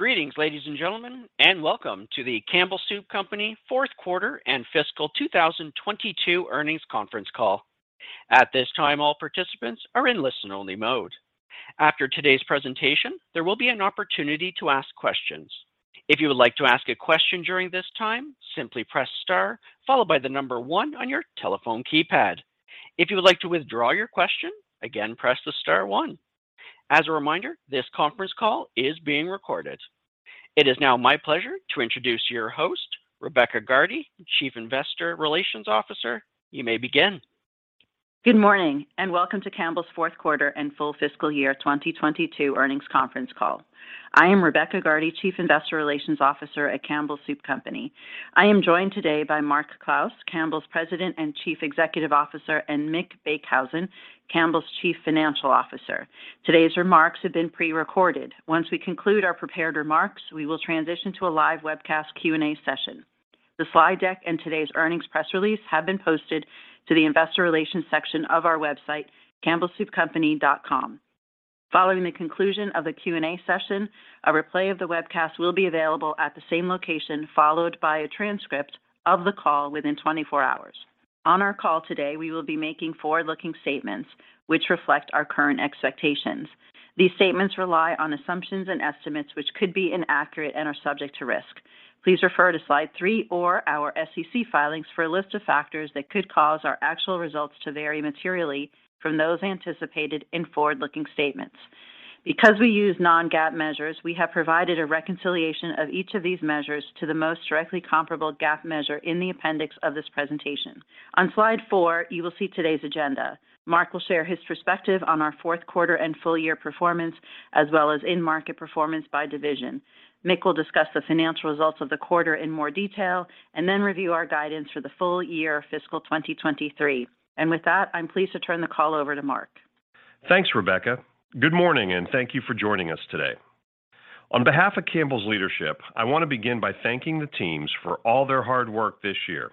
Greetings, ladies and gentlemen, and welcome to the Campbell Soup Company fourth quarter and fiscal 2022 earnings conference call. At this time, all participants are in listen-only mode. After today's presentation, there will be an opportunity to ask questions. If you would like to ask a question during this time, simply press star followed by the number 1 on your telephone keypad. If you would like to withdraw your question, again, press the star 1. As a reminder, this conference call is being recorded. It is now my pleasure to introduce your host, Rebecca Gardy, Chief Investor Relations Officer. You may begin. Good morning, and welcome to Campbell's fourth quarter and full fiscal year 2022 earnings conference call. I am Rebecca Gardy, Chief Investor Relations Officer at Campbell Soup Company. I am joined today by Mark Clouse, Campbell's President and Chief Executive Officer, and Mick Beekhuizen, Campbell's Chief Financial Officer. Today's remarks have been prerecorded. Once we conclude our prepared remarks, we will transition to a live webcast Q&A session. The slide deck and today's earnings press release have been posted to the investor relations section of our website, campbellsoupcompany.com. Following the conclusion of the Q&A session, a replay of the webcast will be available at the same location, followed by a transcript of the call within 24 hours. On our call today, we will be making forward-looking statements which reflect our current expectations. These statements rely on assumptions and estimates which could be inaccurate and are subject to risk. Please refer to slide 3 or our SEC filings for a list of factors that could cause our actual results to vary materially from those anticipated in forward-looking statements. Because we use non-GAAP measures, we have provided a reconciliation of each of these measures to the most directly comparable GAAP measure in the appendix of this presentation. On slide 4, you will see today's agenda. Mark will share his perspective on our fourth quarter and full year performance, as well as in-market performance by division. Mick will discuss the financial results of the quarter in more detail and then review our guidance for the full year fiscal 2023. With that, I'm pleased to turn the call over to Mark. Thanks, Rebecca. Good morning, and thank you for joining us today. On behalf of Campbell's leadership, I want to begin by thanking the teams for all their hard work this year.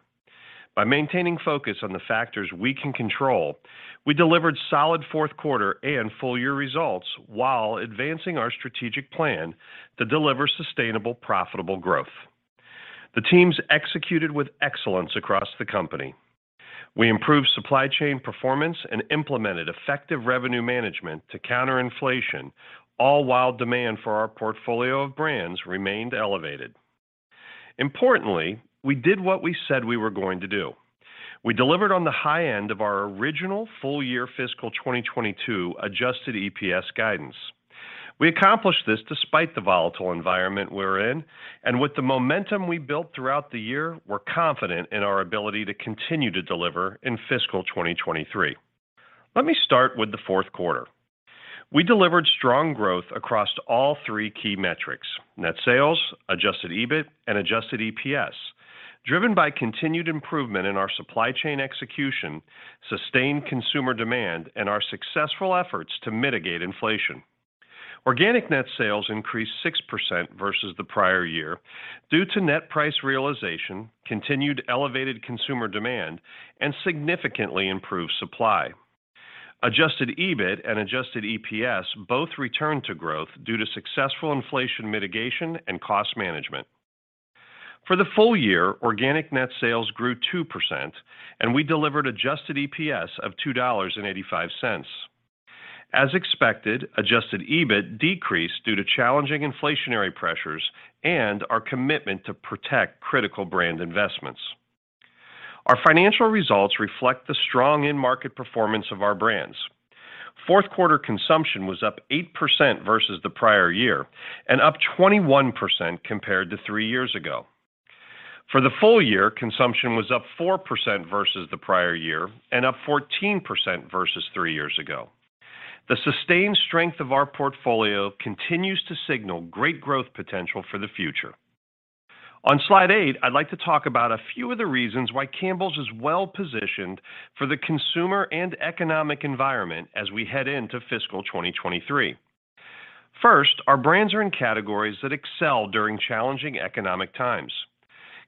By maintaining focus on the factors we can control, we delivered solid fourth quarter and full year results while advancing our strategic plan to deliver sustainable, profitable growth. The teams executed with excellence across the company. We improved supply chain performance and implemented effective revenue management to counter inflation, all while demand for our portfolio of brands remained elevated. Importantly, we did what we said we were going to do. We delivered on the high end of our original full year fiscal 2022 adjusted EPS guidance. We accomplished this despite the volatile environment we're in. With the momentum we built throughout the year, we're confident in our ability to continue to deliver in fiscal 2023. Let me start with the fourth quarter. We delivered strong growth across all three key metrics, net sales, adjusted EBIT, and adjusted EPS, driven by continued improvement in our supply chain execution, sustained consumer demand, and our successful efforts to mitigate inflation. Organic net sales increased 6% versus the prior year due to net price realization, continued elevated consumer demand, and significantly improved supply. Adjusted EBIT and adjusted EPS both returned to growth due to successful inflation mitigation and cost management. For the full year, organic net sales grew 2%, and we delivered adjusted EPS of $2.85. As expected, adjusted EBIT decreased due to challenging inflationary pressures and our commitment to protect critical brand investments. Our financial results reflect the strong in-market performance of our brands. Fourth quarter consumption was up 8% versus the prior year and up 21% compared to three years ago. For the full year, consumption was up 4% versus the prior year and up 14% versus three years ago. The sustained strength of our portfolio continues to signal great growth potential for the future. On slide 8, I'd like to talk about a few of the reasons why Campbell's is well-positioned for the consumer and economic environment as we head into fiscal 2023. First, our brands are in categories that excel during challenging economic times.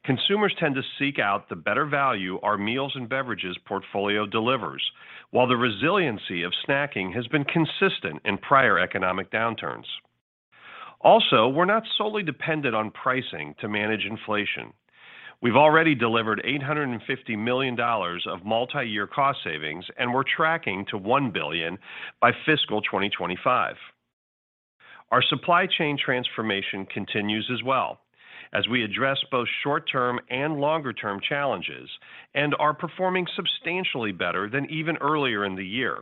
Consumers tend to seek out the better value our meals and beverages portfolio delivers, while the resiliency of snacking has been consistent in prior economic downturns. Also, we're not solely dependent on pricing to manage inflation. We've already delivered $850 million of multi-year cost savings, and we're tracking to $1 billion by fiscal 2025. Our supply chain transformation continues as well as we address both short-term and longer-term challenges and are performing substantially better than even earlier in the year.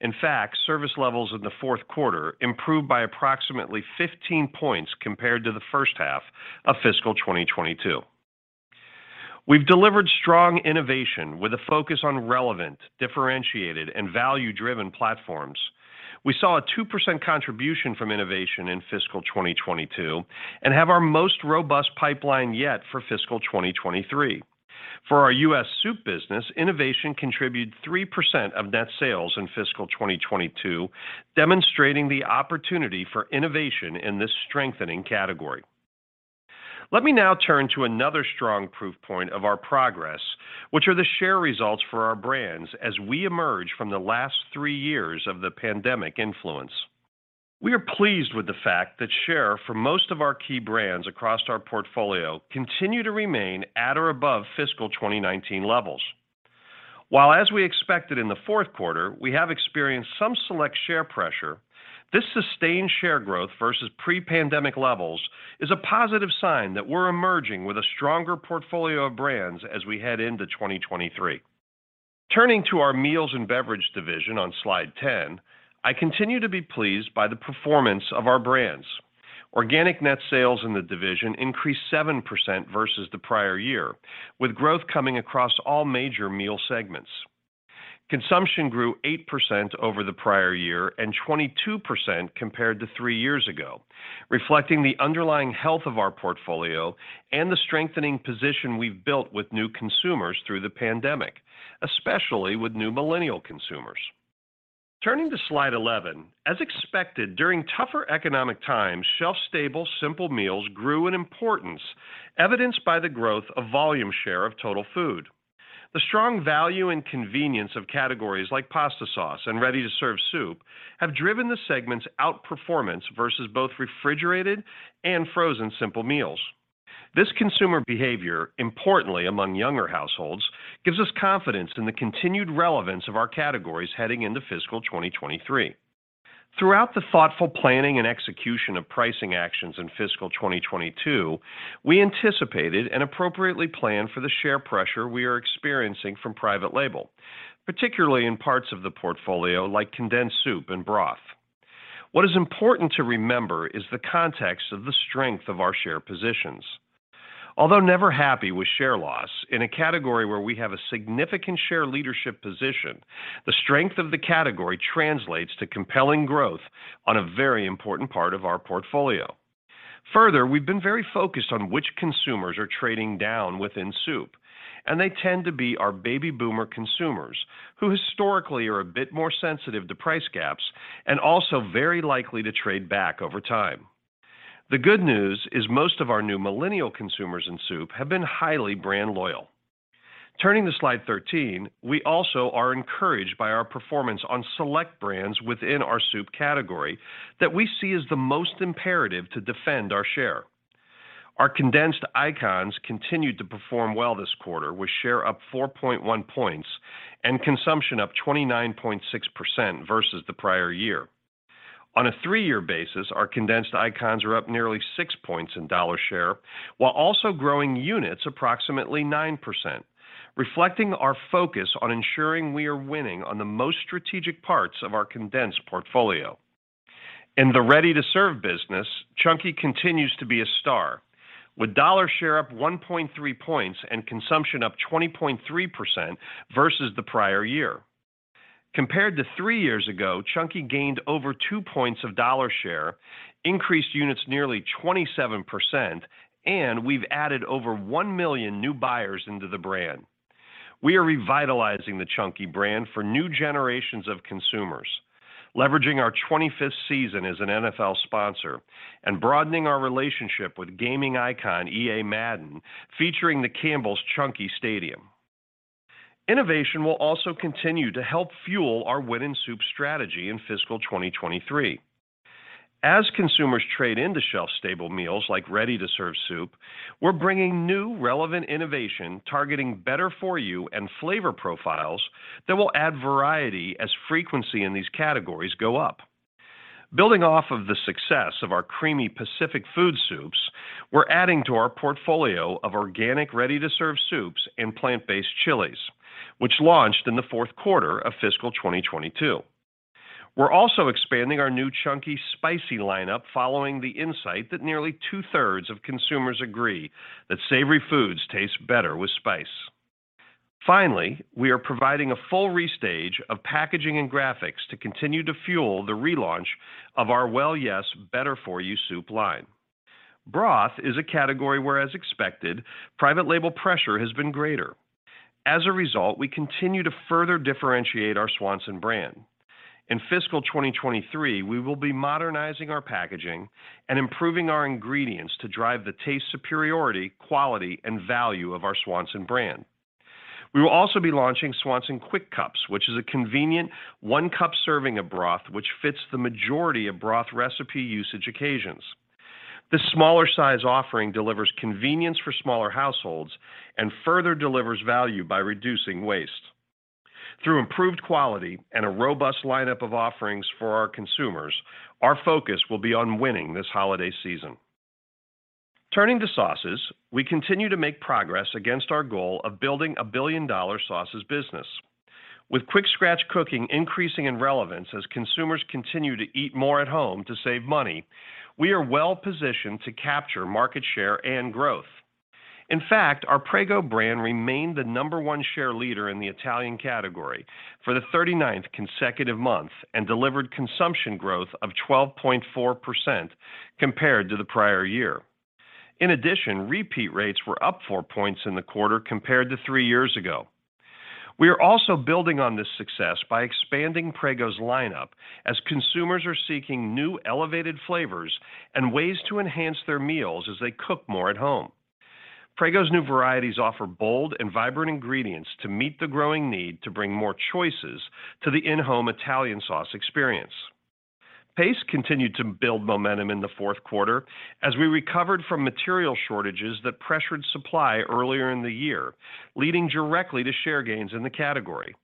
In fact, service levels in the fourth quarter improved by approximately 15 points compared to the first half of fiscal 2022. We've delivered strong innovation with a focus on relevant, differentiated, and value-driven platforms. We saw a 2% contribution from innovation in fiscal 2022 and have our most robust pipeline yet for fiscal 2023. For our US soup business, innovation contributed 3% of net sales in fiscal 2022, demonstrating the opportunity for innovation in this strengthening category. Let me now turn to another strong proof point of our progress, which are the share results for our brands as we emerge from the last 3 years of the pandemic influence. We are pleased with the fact that share for most of our key brands across our portfolio continue to remain at or above fiscal 2019 levels. While as we expected in the fourth quarter, we have experienced some select share pressure, this sustained share growth versus pre-pandemic levels is a positive sign that we're emerging with a stronger portfolio of brands as we head into 2023. Turning to our meals and beverage division on slide 10, I continue to be pleased by the performance of our brands. Organic net sales in the division increased 7% versus the prior year, with growth coming across all major meal segments. Consumption grew 8% over the prior year and 22% compared to 3 years ago, reflecting the underlying health of our portfolio and the strengthening position we've built with new consumers through the pandemic, especially with new millennial consumers. Turning to slide 11, as expected, during tougher economic times, shelf-stable, simple meals grew in importance, evidenced by the growth of volume share of total food. The strong value and convenience of categories like pasta sauce and ready-to-serve soup have driven the segment's outperformance versus both refrigerated and frozen simple meals. This consumer behavior, importantly among younger households, gives us confidence in the continued relevance of our categories heading into fiscal 2023. Throughout the thoughtful planning and execution of pricing actions in fiscal 2022, we anticipated and appropriately planned for the share pressure we are experiencing from private label, particularly in parts of the portfolio like condensed soup and broth. What is important to remember is the context of the strength of our share positions. Although never happy with share loss, in a category where we have a significant share leadership position, the strength of the category translates to compelling growth on a very important part of our portfolio. Further, we've been very focused on which consumers are trading down within soup, and they tend to be our baby boomer consumers who historically are a bit more sensitive to price gaps and also very likely to trade back over time. The good news is most of our new millennial consumers in soup have been highly brand loyal. Turning to slide 13, we also are encouraged by our performance on select brands within our soup category that we see as the most imperative to defend our share. Our condensed icons continued to perform well this quarter with share up 4.1 points and consumption up 29.6% versus the prior year. On a 3-year basis, our condensed icons are up nearly 6 points in dollar share while also growing units approximately 9%, reflecting our focus on ensuring we are winning on the most strategic parts of our condensed portfolio. In the ready-to-serve business, Chunky continues to be a star with dollar share up 1.3 points and consumption up 20.3% versus the prior year. Compared to 3 years ago, Chunky gained over 2 points of dollar share, increased units nearly 27%, and we've added over 1 million new buyers into the brand. We are revitalizing the Chunky brand for new generations of consumers, leveraging our 25th season as an NFL sponsor and broadening our relationship with gaming icon EA Madden, featuring the Campbell's Chunky Stadium. Innovation will also continue to help fuel our Win in Soup strategy in fiscal 2023. As consumers trade into shelf-stable meals like ready-to-serve soup, we're bringing new relevant innovation targeting better-for-you and flavor profiles that will add variety as frequency in these categories go up. Building off of the success of our creamy Pacific Foods soups, we're adding to our portfolio of organic ready-to-serve soups and plant-based chilies, which launched in the fourth quarter of fiscal 2022. We're also expanding our new Chunky Spicy lineup following the insight that nearly two-thirds of consumers agree that savory foods taste better with spice. Finally, we are providing a full restage of packaging and graphics to continue to fuel the relaunch of our Well Yes! better-for-you soup line. Broth is a category where, as expected, private label pressure has been greater. As a result, we continue to further differentiate our Swanson brand. In fiscal 2023, we will be modernizing our packaging and improving our ingredients to drive the taste superiority, quality, and value of our Swanson brand. We will also be launching Swanson Quick Cups, which is a convenient one-cup serving of broth which fits the majority of broth recipe usage occasions. This smaller size offering delivers convenience for smaller households and further delivers value by reducing waste. Through improved quality and a robust lineup of offerings for our consumers, our focus will be on winning this holiday season. Turning to sauces, we continue to make progress against our goal of building a billion-dollar sauces business. With quick scratch cooking increasing in relevance as consumers continue to eat more at home to save money, we are well positioned to capture market share and growth. In fact, our Prego brand remained the number 1 share leader in the Italian category for the 39th consecutive month and delivered consumption growth of 12.4% compared to the prior year. In addition, repeat rates were up 4 points in the quarter compared to 3 years ago. We are also building on this success by expanding Prego's lineup as consumers are seeking new elevated flavors and ways to enhance their meals as they cook more at home. Prego's new varieties offer bold and vibrant ingredients to meet the growing need to bring more choices to the in-home Italian sauce experience. Pace continued to build momentum in the fourth quarter as we recovered from material shortages that pressured supply earlier in the year, leading directly to share gains in the category.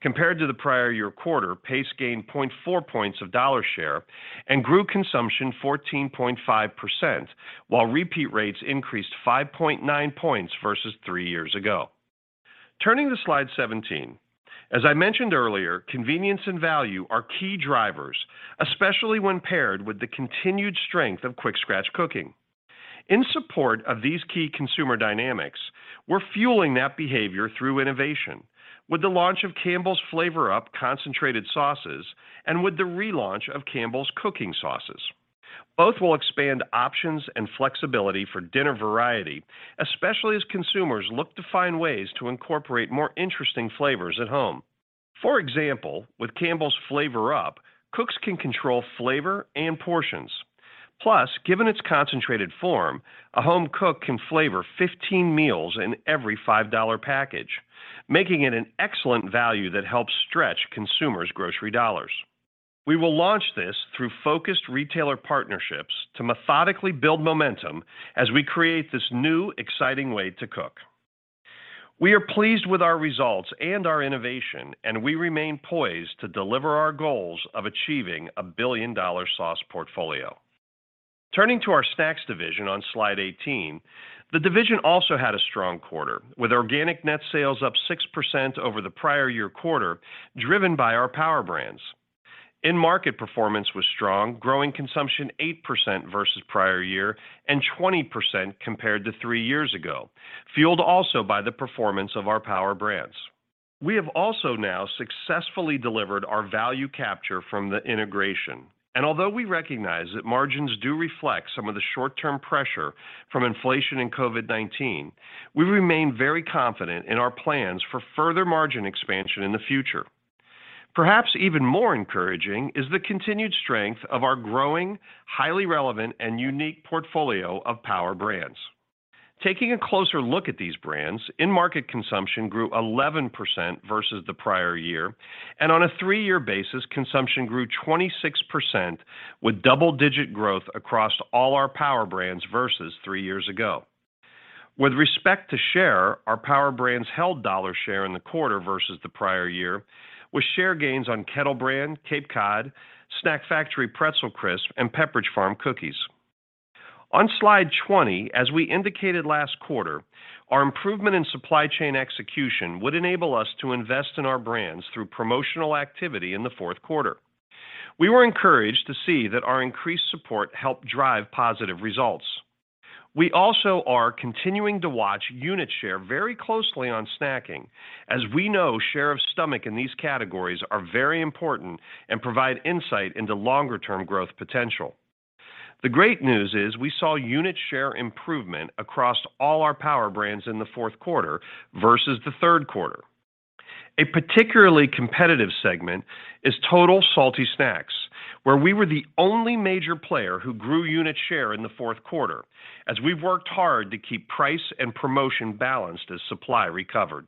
Compared to the prior year quarter, Pace gained 0.4 points of dollar share and grew consumption 14.5%, while repeat rates increased 5.9 points versus three years ago. Turning to slide 17, as I mentioned earlier, convenience and value are key drivers, especially when paired with the continued strength of quick-scratch cooking. In support of these key consumer dynamics, we're fueling that behavior through innovation with the launch of Campbell's FlavorUp! concentrated sauces and with the relaunch of Campbell's cooking sauces. Both will expand options and flexibility for dinner variety, especially as consumers look to find ways to incorporate more interesting flavors at home. For example, with Campbell's FlavorUp!, cooks can control flavor and portions. Plus, given its concentrated form, a home cook can flavor 15 meals in every $5 package, making it an excellent value that helps stretch consumers grocery dollars. We will launch this through focused retailer partnerships to methodically build momentum as we create this new exciting way to cook. We are pleased with our results and our innovation, and we remain poised to deliver our goals of achieving a billion-dollar sauce portfolio. Turning to our snacks division on slide 18, the division also had a strong quarter with organic net sales up 6% over the prior year quarter, driven by our Power Brands. In-market performance was strong, growing consumption 8% versus prior year and 20% compared to 3 years ago, fueled also by the performance of our Power Brands. We have also now successfully delivered our value capture from the integration. Although we recognize that margins do reflect some of the short-term pressure from inflation and COVID-19, we remain very confident in our plans for further margin expansion in the future. Perhaps even more encouraging is the continued strength of our growing, highly relevant and unique portfolio of Power Brands. Taking a closer look at these brands, in-market consumption grew 11% versus the prior year, and on a three-year basis, consumption grew 26% with double-digit growth across all our Power Brands versus 3 years ago. With respect to share, our Power Brands held dollar share in the quarter versus the prior year, with share gains on Kettle Brand, Cape Cod, Snack Factory Pretzel Crisps, and Pepperidge Farm cookies. On slide 20, as we indicated last quarter, our improvement in supply chain execution would enable us to invest in our brands through promotional activity in the fourth quarter. We were encouraged to see that our increased support helped drive positive results. We also are continuing to watch unit share very closely on snacking, as we know share of stomach in these categories are very important and provide insight into longer-term growth potential. The great news is we saw unit share improvement across all our Power Brands in the fourth quarter versus the third quarter. A particularly competitive segment is total salty snacks, where we were the only major player who grew unit share in the fourth quarter as we've worked hard to keep price and promotion balanced as supply recovered.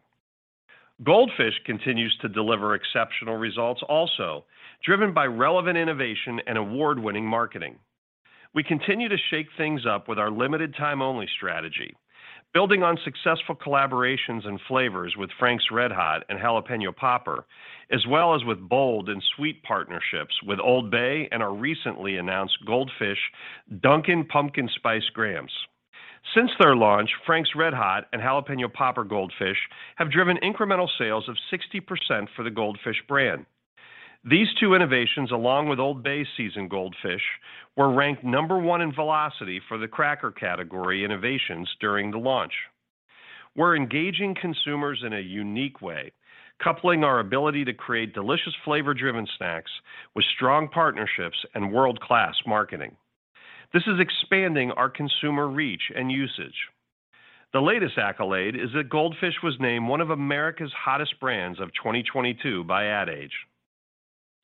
Goldfish continues to deliver exceptional results also, driven by relevant innovation and award-winning marketing. We continue to shake things up with our limited time only strategy, building on successful collaborations and flavors with Frank's RedHot and Jalapeño Popper, as well as with bold and sweet partnerships with OLD BAY and our recently announced Goldfish Dunkin' Pumpkin Spice Grahams. Since their launch, Frank's RedHot and Jalapeño Popper Goldfish have driven incremental sales of 60% for the Goldfish brand. These two innovations, along with OLD BAY seasoned Goldfish, were ranked number one in velocity for the cracker category innovations during the launch. We're engaging consumers in a unique way, coupling our ability to create delicious flavor driven snacks with strong partnerships and world-class marketing. This is expanding our consumer reach and usage. The latest accolade is that Goldfish was named one of America's hottest brands of 2022 by Ad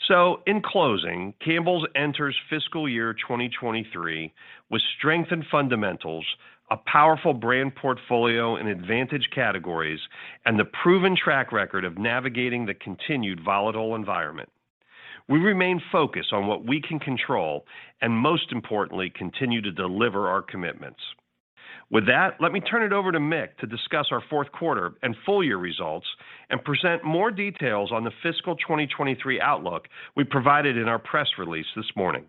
Age. In closing, Campbell's enters fiscal year 2023 with strength and fundamentals, a powerful brand portfolio in advantage categories, and the proven track record of navigating the continued volatile environment. We remain focused on what we can control and most importantly, continue to deliver our commitments. With that, let me turn it over to Mick to discuss our fourth quarter and full year results and present more details on the fiscal 2023 outlook we provided in our press release this morning.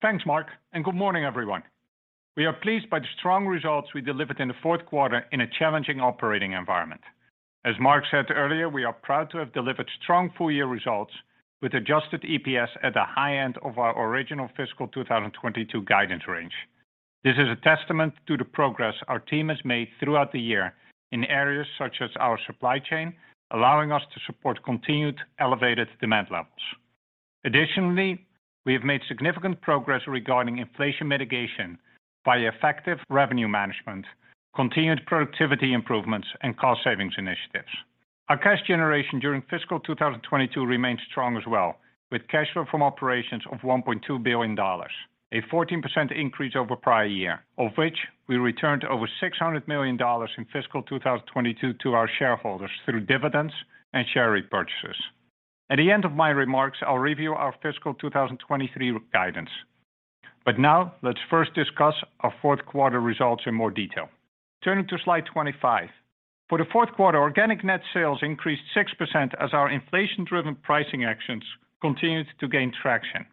Thanks, Mark, and good morning, everyone. We are pleased by the strong results we delivered in the fourth quarter in a challenging operating environment. As Mark said earlier, we are proud to have delivered strong full year results with adjusted EPS at the high end of our original fiscal 2022 guidance range. This is a testament to the progress our team has made throughout the year in areas such as our supply chain, allowing us to support continued elevated demand levels. Additionally, we have made significant progress regarding inflation mitigation by effective revenue management, continued productivity improvements, and cost savings initiatives. Our cash generation during fiscal 2022 remained strong as well, with cash flow from operations of $1.2 billion, a 14% increase over prior year, of which we returned over $600 million in fiscal 2022 to our shareholders through dividends and share repurchases. At the end of my remarks, I'll review our fiscal 2023 guidance. Now, let's first discuss our fourth quarter results in more detail. Turning to slide 25. For the fourth quarter, organic net sales increased 6% as our inflation-driven pricing actions continued to gain traction.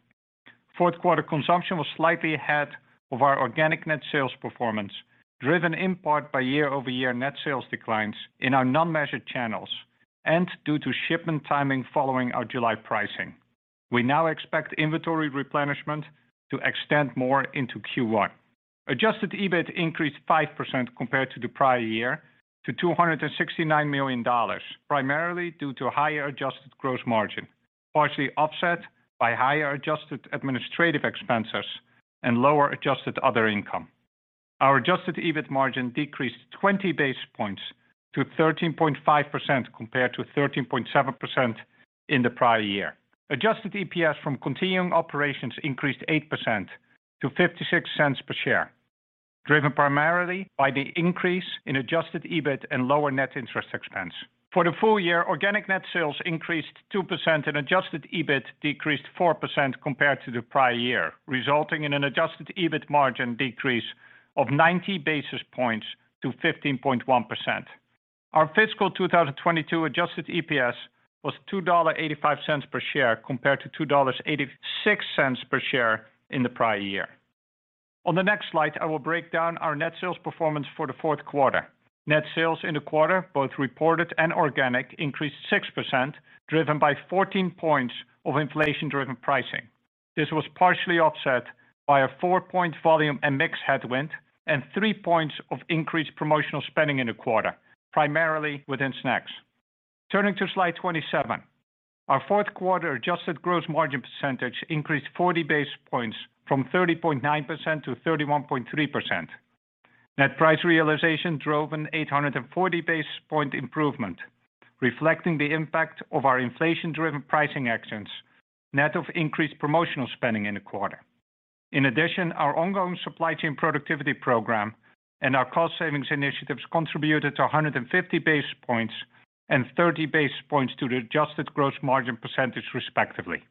Fourth quarter consumption was slightly ahead of our organic net sales performance, driven in part by year-over-year net sales declines in our non-measured channels and due to shipment timing following our July pricing. We now expect inventory replenishment to extend more into Q1. Adjusted EBIT increased 5% compared to the prior year to $269 million, primarily due to higher adjusted gross margin, partially offset by higher adjusted administrative expenses and lower adjusted other income. Our adjusted EBIT margin decreased 20 basis points to 13.5% compared to 13.7% in the prior year. Adjusted EPS from continuing operations increased 8% to $0.56 per share, driven primarily by the increase in adjusted EBIT and lower net interest expense. For the full year, organic net sales increased 2% and adjusted EBIT decreased 4% compared to the prior year, resulting in an adjusted EBIT margin decrease of 90 basis points to 15.1%. Our fiscal 2022 adjusted EPS was $2.85 per share compared to $2.86 per share in the prior year. On the next slide, I will break down our net sales performance for the fourth quarter. Net sales in the quarter, both reported and organic, increased 6%, driven by 14 points of inflation-driven pricing. This was partially offset by a 4-point volume and mix headwind and 3 points of increased promotional spending in the quarter, primarily within snacks. Turning to slide 27. Our fourth quarter adjusted gross margin percentage increased 40 basis points from 30.9% to 31.3%. Net price realization drove an 840 basis point improvement, reflecting the impact of our inflation-driven pricing actions, net of increased promotional spending in the quarter. In addition, our ongoing supply chain productivity program and our cost savings initiatives contributed to 150 basis points and 30 basis points to the adjusted gross margin percentage, respectively.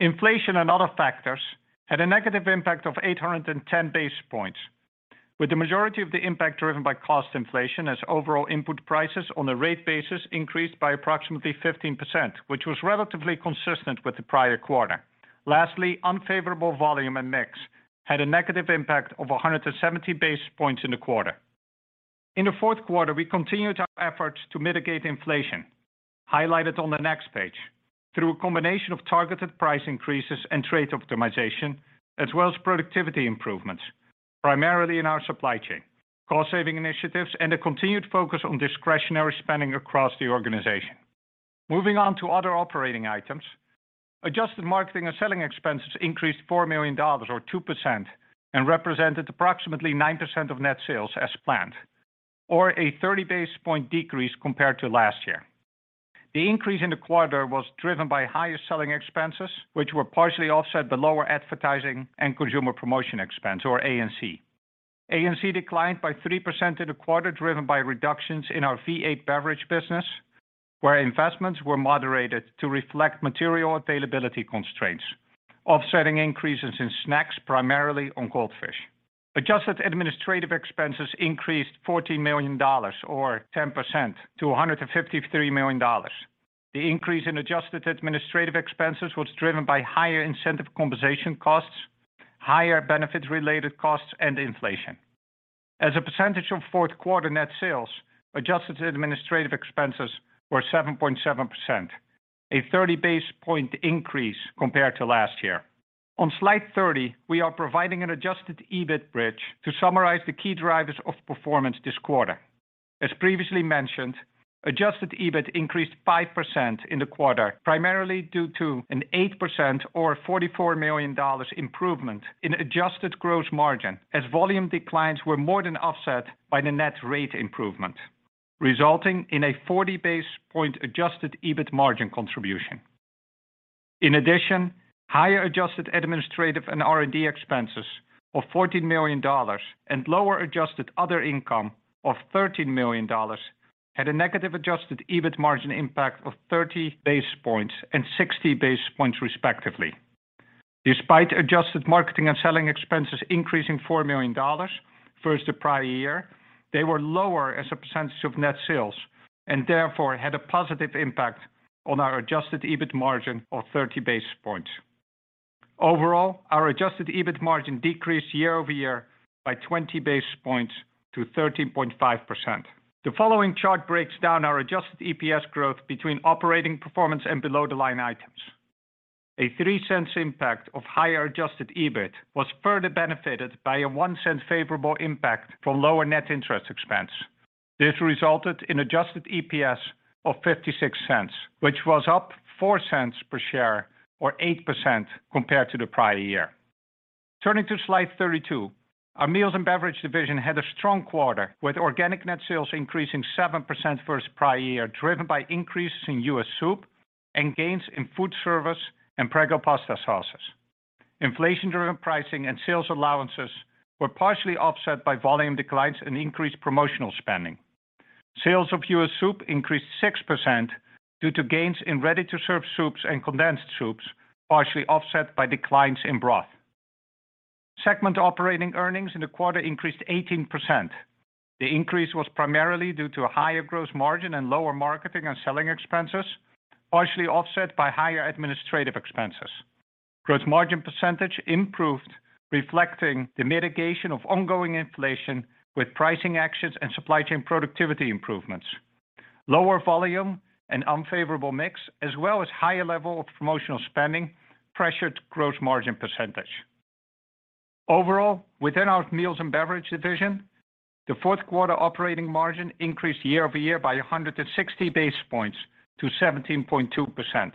Inflation and other factors had a negative impact of 810 basis points, with the majority of the impact driven by cost inflation as overall input prices on a rate basis increased by approximately 15%, which was relatively consistent with the prior quarter. Lastly, unfavorable volume and mix had a negative impact of 170 basis points in the quarter. In the fourth quarter, we continued our efforts to mitigate inflation, highlighted on the next page, through a combination of targeted price increases and trade optimization, as well as productivity improvements, primarily in our supply chain, cost-saving initiatives, and a continued focus on discretionary spending across the organization. Moving on to other operating items. Adjusted marketing and selling expenses increased $4 million or 2% and represented approximately 9% of net sales as planned, or a 30 basis point decrease compared to last year. The increase in the quarter was driven by higher selling expenses, which were partially offset by lower advertising and consumer promotion expense, or A&C. A&C declined by 3% in the quarter, driven by reductions in our V8 beverage business, where investments were moderated to reflect material availability constraints, offsetting increases in snacks primarily on Goldfish. Adjusted administrative expenses increased $14 million or 10% to $153 million. The increase in adjusted administrative expenses was driven by higher incentive compensation costs, higher benefit-related costs, and inflation. As a percentage of fourth quarter net sales, adjusted administrative expenses were 7.7%, a 30 basis point increase compared to last year. On slide 30, we are providing an adjusted EBIT bridge to summarize the key drivers of performance this quarter. As previously mentioned, adjusted EBIT increased 5% in the quarter, primarily due to an 8% or $44 million improvement in adjusted gross margin as volume declines were more than offset by the net rate improvement, resulting in a 40 basis point adjusted EBIT margin contribution. In addition, higher adjusted administrative and R&D expenses of $14 million and lower adjusted other income of $13 million had a negative adjusted EBIT margin impact of 30 basis points and 60 basis points, respectively. Despite adjusted marketing and selling expenses increasing $4 million versus the prior year, they were lower as a percentage of net sales and therefore had a positive impact on our adjusted EBIT margin of 30 basis points. Overall, our adjusted EBIT margin decreased year-over-year by 20 basis points to 13.5%. The following chart breaks down our adjusted EPS growth between operating performance and below-the-line items. A $0.03 impact of higher adjusted EBIT was further benefited by a $0.01 favorable impact from lower net interest expense. This resulted in adjusted EPS of $0.56, which was up $0.04 per share or 8% compared to the prior year. Turning to slide 32. Our meals and beverage division had a strong quarter, with organic net sales increasing 7% versus prior year, driven by increases in U.S. soup and gains in food service and Prego pasta sauces. Inflation-driven pricing and sales allowances were partially offset by volume declines and increased promotional spending. Sales of U.S. soup increased 6% due to gains in ready-to-serve soups and condensed soups, partially offset by declines in broth. Segment operating earnings in the quarter increased 18%. The increase was primarily due to a higher gross margin and lower marketing and selling expenses, partially offset by higher administrative expenses. Gross margin percentage improved, reflecting the mitigation of ongoing inflation with pricing actions and supply chain productivity improvements. Lower volume and unfavorable mix, as well as higher level of promotional spending, pressured gross margin percentage. Overall, within our meals and beverage division, the fourth quarter operating margin increased year-over-year by 160 basis points to 17.2%.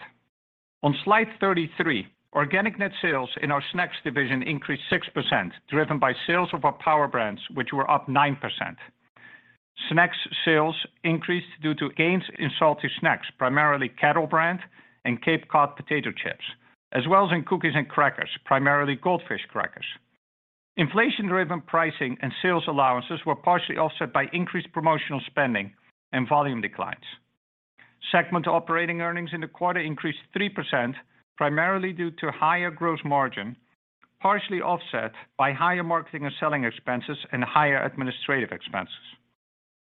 On slide 33, organic net sales in our snacks division increased 6%, driven by sales of our Power Brands, which were up 9%. Snacks sales increased due to gains in salty snacks, primarily Kettle Brand and Cape Cod potato chips, as well as in cookies and crackers, primarily Goldfish crackers. Inflation-driven pricing and sales allowances were partially offset by increased promotional spending and volume declines. Segment operating earnings in the quarter increased 3%, primarily due to higher gross margin, partially offset by higher marketing and selling expenses and higher administrative expenses.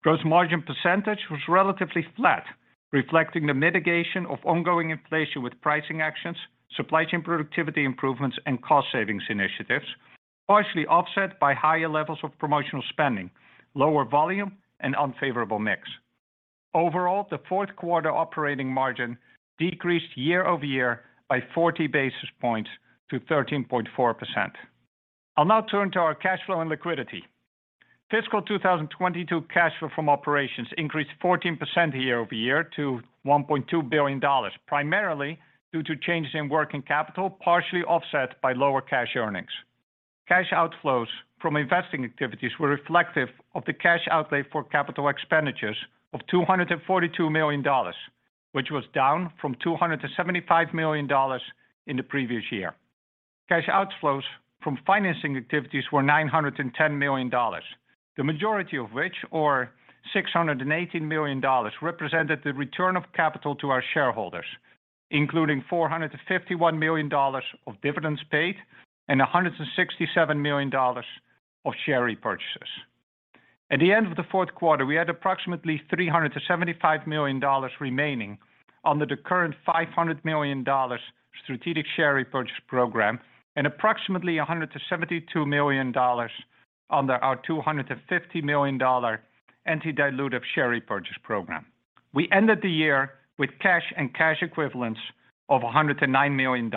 Gross margin percentage was relatively flat, reflecting the mitigation of ongoing inflation with pricing actions, supply chain productivity improvements, and cost savings initiatives, partially offset by higher levels of promotional spending, lower volume, and unfavorable mix. Overall, the fourth quarter operating margin decreased year-over-year by 40 basis points to 13.4%. I'll now turn to our cash flow and liquidity. Fiscal 2022 cash flow from operations increased 14% year-over-year to $1.2 billion, primarily due to changes in working capital, partially offset by lower cash earnings. Cash outflows from investing activities were reflective of the cash outlay for capital expenditures of $242 million, which was down from $275 million in the previous year. Cash outflows from financing activities were $910 million, the majority of which, or $618 million, represented the return of capital to our shareholders, including $451 million of dividends paid and $167 million of share repurchases. At the end of the fourth quarter, we had approximately $375 million remaining under the current $500 million strategic share repurchase program and approximately $172 million under our $250 million anti-dilutive share repurchase program. We ended the year with cash and cash equivalents of $109 million.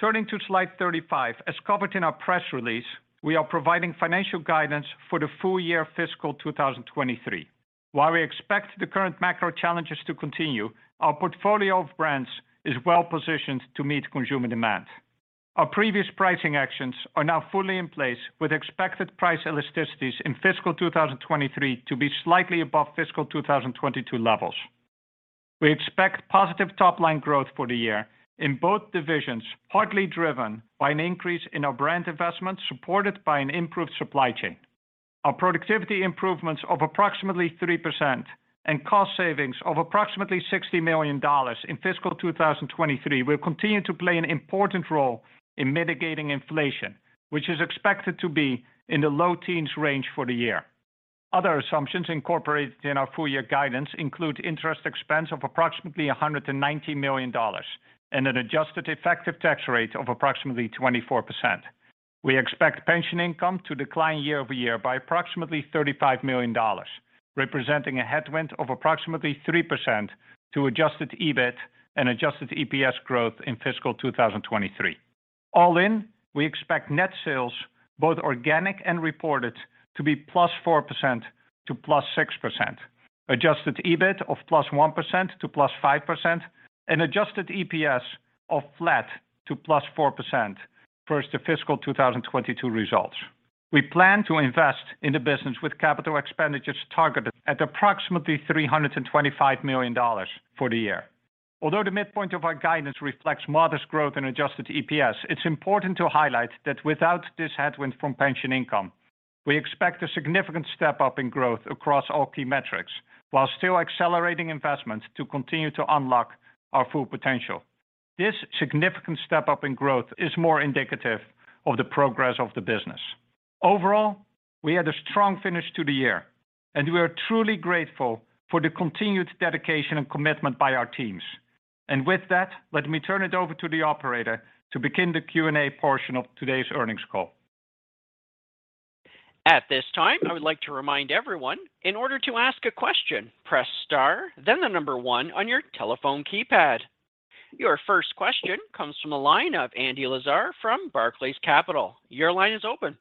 Turning to slide 35, as covered in our press release, we are providing financial guidance for the full year fiscal 2023. While we expect the current macro challenges to continue, our portfolio of brands is well-positioned to meet consumer demand. Our previous pricing actions are now fully in place, with expected price elasticities in fiscal 2023 to be slightly above fiscal 2022 levels. We expect positive top-line growth for the year in both divisions, partly driven by an increase in our brand investments supported by an improved supply chain. Our productivity improvements of approximately 3% and cost savings of approximately $60 million in fiscal 2023 will continue to play an important role in mitigating inflation, which is expected to be in the low teens range for the year. Other assumptions incorporated in our full year guidance include interest expense of approximately $190 million and an adjusted effective tax rate of approximately 24%. We expect pension income to decline year-over-year by approximately $35 million, representing a headwind of approximately 3% to adjusted EBIT and adjusted EPS growth in fiscal 2023. All in, we expect net sales, both organic and reported, to be +4% to +6%, adjusted EBIT of +1% to +5%, and adjusted EPS of flat to +4% versus the fiscal 2022 results. We plan to invest in the business with capital expenditures targeted at approximately $325 million for the year. Although the midpoint of our guidance reflects modest growth in adjusted EPS, it's important to highlight that without this headwind from pension income, we expect a significant step-up in growth across all key metrics while still accelerating investments to continue to unlock our full potential. This significant step up in growth is more indicative of the progress of the business. Overall, we had a strong finish to the year, and we are truly grateful for the continued dedication and commitment by our teams. With that, let me turn it over to the operator to begin the Q&A portion of today's earnings call. At this time, I would like to remind everyone, in order to ask a question, press star, then the number one on your telephone keypad. Your first question comes from the line of Andrew Lazar from Barclays. Your line is open.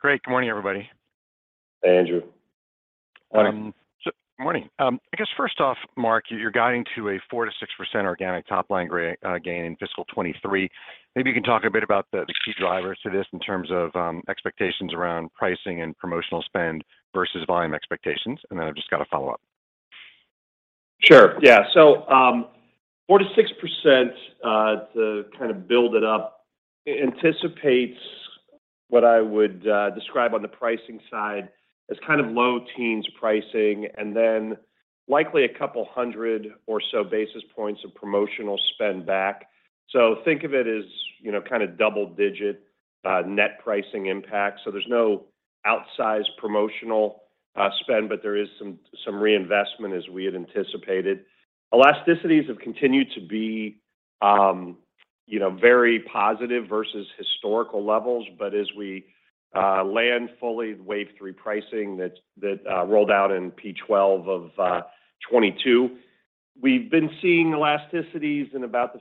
Great. Good morning, everybody. Hey, Andrew. Good morning. I guess first off, Mark, you're guiding to a 4%-6% organic top-line gain in fiscal 2023. Maybe you can talk a bit about the key drivers to this in terms of expectations around pricing and promotional spend versus volume expectations, and then I've just got a follow-up. Sure. Yeah. Four to six percent to kind of build it up anticipates what I would describe on the pricing side as kind of low-teens pricing and then likely a couple hundred or so basis points of promotional spend back. Think of it as, you know, kind of double-digit net pricing impact. There's no outsized promotional spend, but there is some reinvestment as we had anticipated. Elasticities have continued to be, you know, very positive versus historical levels. But as we land fully wave three pricing that rolled out in P-twelve of 2022, we've been seeing elasticities in about the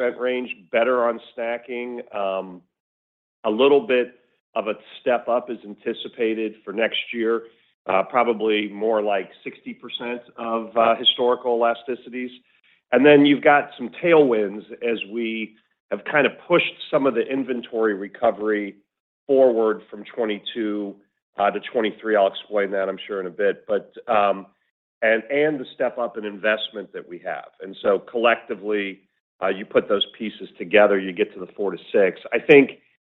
50% range, better on snacking. A little bit of a step-up is anticipated for next year, probably more like 60% of historical elasticities. You've got some tailwinds as we have kind of pushed some of the inventory recovery forward from 2022 to 2023. I'll explain that I'm sure in a bit. and the step-up in investment that we have. Collectively, you put those pieces together, you get to the 4%-6%. I think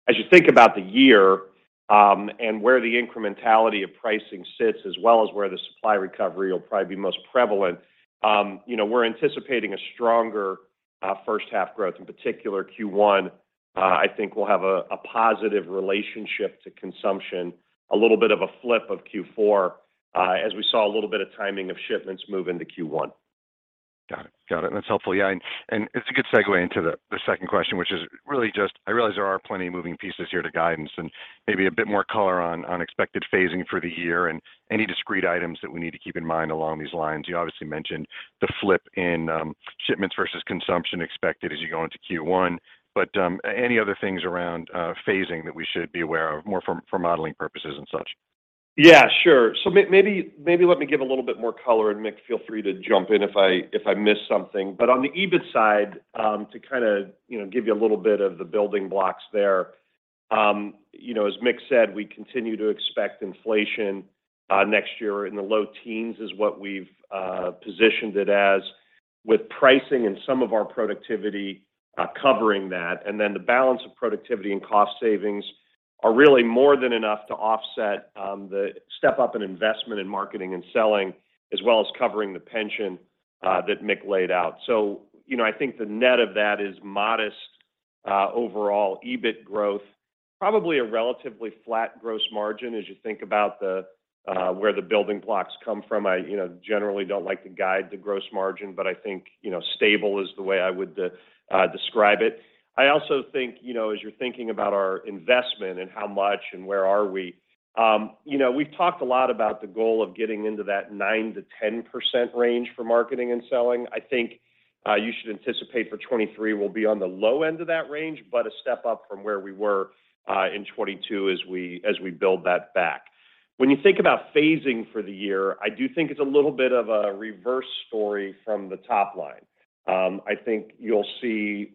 as you think about the year, and where the incrementality of pricing sits as well as where the supply recovery will probably be most prevalent, you know, we're anticipating a stronger first half growth. In particular Q1, I think will have a positive relationship to consumption, a little bit of a flip of Q4, as we saw a little bit of timing of shipments move into Q1. Got it. That's helpful. Yeah, and it's a good segue into the second question, which is really just I realize there are plenty of moving pieces here to guidance and maybe a bit more color on unexpected phasing for the year and any discrete items that we need to keep in mind along these lines. You obviously mentioned the flip in shipments versus consumption expected as you go into Q1. But any other things around phasing that we should be aware of more for modeling purposes and such? Yeah, sure. Maybe let me give a little bit more color, and Mick, feel free to jump in if I miss something. On the EBIT side, to kind of, you know, give you a little bit of the building blocks there, you know, as Mick said, we continue to expect inflation next year in the low teens is what we've positioned it as, with pricing and some of our productivity covering that. Then the balance of productivity and cost savings are really more than enough to offset the step-up in investment in marketing and selling as well as covering the pension that Mick laid out. You know, I think the net of that is modest overall EBIT growth, probably a relatively flat gross margin as you think about where the building blocks come from. I you know generally don't like to guide the gross margin, but I think, you know, stable is the way I would describe it. I also think, you know, as you're thinking about our investment and how much and where we are you know we've talked a lot about the goal of getting into that 9%-10% range for marketing and selling. I think you should anticipate for 2023 we'll be on the low end of that range, but a step up from where we were in 2022 as we build that back. When you think about phasing for the year, I do think it's a little bit of a reverse story from the top line. I think you'll see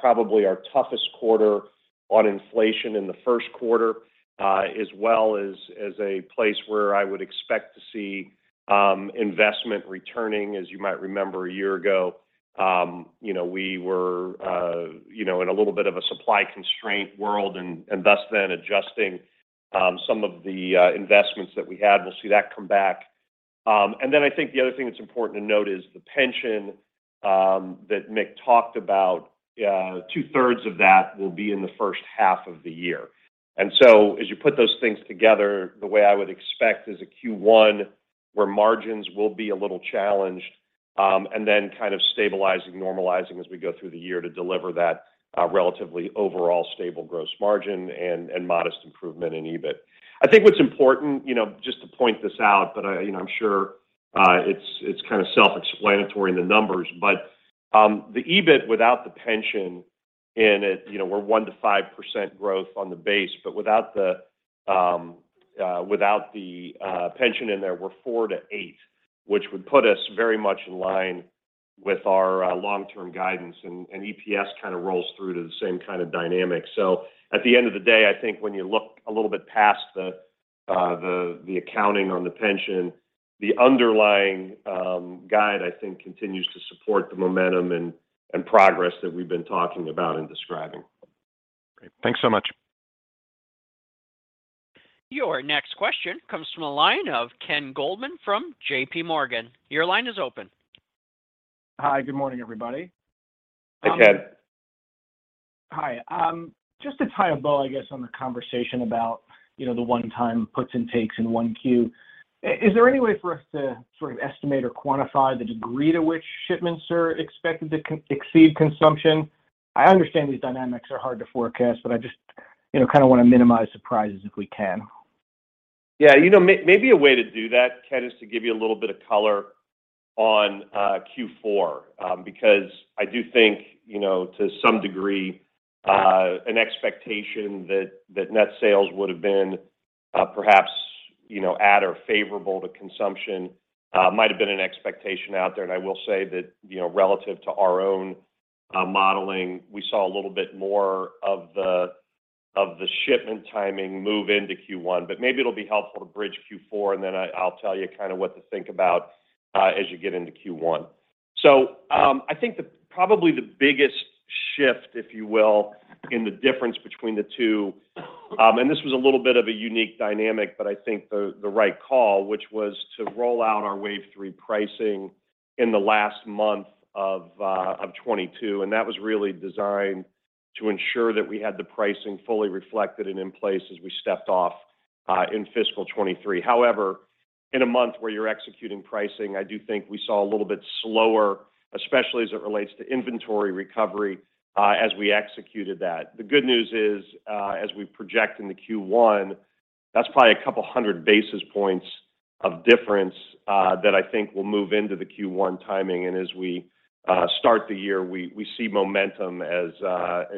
probably our toughest quarter on inflation in the first quarter, as well as a place where I would expect to see investment returning. As you might remember a year ago, you know, we were you know in a little bit of a supply constraint world and thus then adjusting some of the investments that we had. We'll see that come back. Then I think the other thing that's important to note is the pension that Mick talked about. Two-thirds of that will be in the first half of the year. As you put those things together, the way I would expect is a Q1 where margins will be a little challenged, and then kind of stabilizing, normalizing as we go through the year to deliver that, relatively overall stable gross margin and modest improvement in EBIT. I think what's important, you know, just to point this out, but I'm sure it's kind of self-explanatory in the numbers, but the EBIT without the pension in it, you know, we're 1%-5% growth on the base. But without the pension in there, we're 4%-8%, which would put us very much in line with our long-term guidance, and EPS kind of rolls through to the same kind of dynamic. At the end of the day, I think when you look a little bit past the accounting on the pension, the underlying guide, I think, continues to support the momentum and progress that we've been talking about and describing. Great. Thanks so much. Your next question comes from the line of Ken Goldman from J.P. Morgan. Your line is open. Hi. Good morning, everybody. Hey, Ken. Hi. Just to tie a bow, I guess, on the conversation about, you know, the one-time puts and takes in one Q, is there any way for us to sort of estimate or quantify the degree to which shipments are expected to exceed consumption? I understand these dynamics are hard to forecast, but I just, you know, kind of want to minimize surprises if we can. Yeah. You know, maybe a way to do that, Ken, is to give you a little bit of color on Q4. Because I do think, you know, to some degree, an expectation that net sales would have been, perhaps, you know, at or favorable to consumption might have been an expectation out there. I will say that, you know, relative to our own modeling, we saw a little bit more of the shipment timing move into Q1. Maybe it'll be helpful to bridge Q4, and then I'll tell you kind of what to think about as you get into Q1. I think probably the biggest shift, if you will, in the difference between the two, and this was a little bit of a unique dynamic, but I think the right call, which was to roll out our wave three pricing in the last month of 2022. That was really designed to ensure that we had the pricing fully reflected and in place as we stepped off in fiscal 2023. However, in a month where you're executing pricing, I do think we saw a little bit slower, especially as it relates to inventory recovery, as we executed that. The good news is, as we project into Q1, that's probably a couple hundred basis points of difference, that I think will move into the Q1 timing. As we start the year, we see momentum as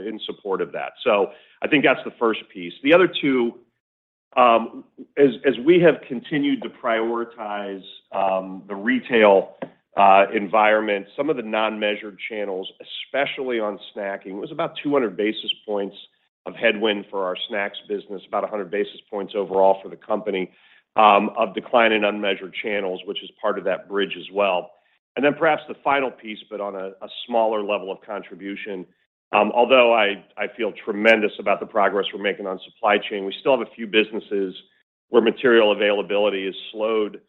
in support of that. I think that's the first piece. The other two, as we have continued to prioritize the retail environment, some of the non-measured channels, especially on snacking, was about 200 basis points of headwind for our snacks business, about 100 basis points overall for the company, of decline in unmeasured channels, which is part of that bridge as well. Then perhaps the final piece, but on a smaller level of contribution, although I feel tremendous about the progress we're making on supply chain, we still have a few businesses where material availability has slowed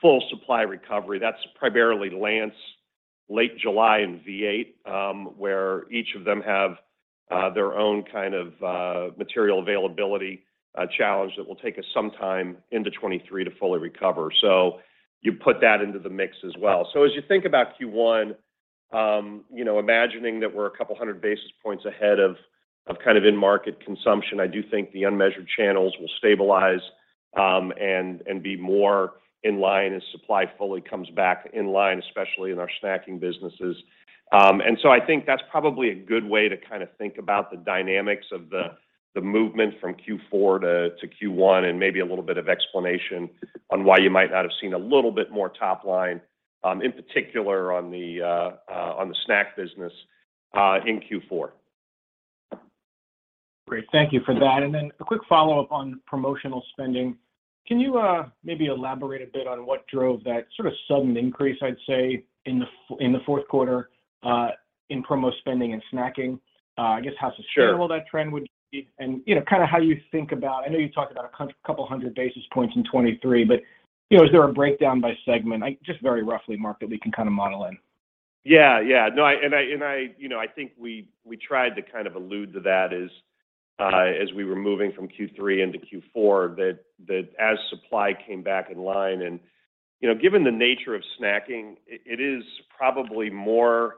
full supply recovery. That's primarily Lance, Late July in V8, where each of them have their own kind of material availability challenge that will take us some time into 2023 to fully recover. You put that into the mix as well. As you think about Q1, you know, imagining that we're a couple hundred basis points ahead of kind of in-market consumption, I do think the unmeasured channels will stabilize, and be more in line as supply fully comes back in line, especially in our snacking businesses. I think that's probably a good way to kind of think about the dynamics of the movement from Q4 to Q1, and maybe a little bit of explanation on why you might not have seen a little bit more top line, in particular on the snack business, in Q4. Great. Thank you for that. A quick follow-up on promotional spending. Can you maybe elaborate a bit on what drove that sort of sudden increase, I'd say, in the fourth quarter in promo spending and snacking? I guess how sustainable that trend would be and, you know, kind of how you think about it. I know you talked about a couple hundred basis points in 2023, but, you know, is there a breakdown by segment? Just very roughly, Mark, that we can kind of model in. Yeah. Yeah. No, I you know, I think we tried to kind of allude to that as we were moving from Q3 into Q4, that as supply came back in line and you know, given the nature of snacking, it is probably more